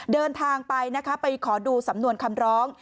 เดินทางไปนะคะไปขอดูสำนวนคำร้อง